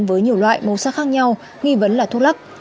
với nhiều loại màu sắc khác nhau nghi vấn là thuốc lắc